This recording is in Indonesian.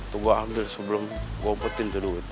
tunggu ambil sebelum gue ompetin tuh duit